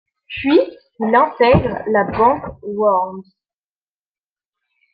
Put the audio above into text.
Puis, il intègre la banque Worms.